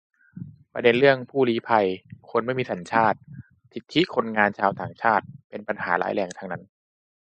ประเด็นเรื่องผู้ลี้ภัย คนไม่มีสัญชาติ สิทธิคนงานชาวต่างชาติ เป็นปัญหาร้ายแรงทั้งนั้น